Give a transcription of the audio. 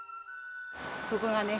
そこがね。